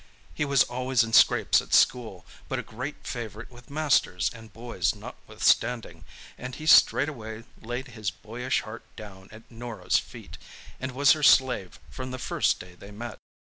He was always in scrapes at school, but a great favourite with masters and boys notwithstanding; and he straightway laid his boyish heart down at Norah's feet, and was her slave from the first day they met.